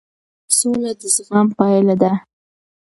سوله د زغم پایله ده